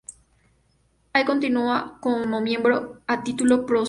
Hoy continúa como miembro a título póstumo.